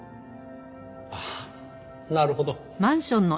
ああなるほど！